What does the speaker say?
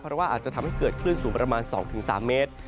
เพราะว่าอาจจะทำให้เกิดคลื่นสูงประมาณ๒๓เมตร